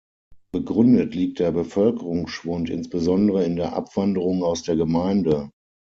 Begründet liegt der Bevölkerungsschwund insbesondere in der Abwanderung aus der Gemeinde.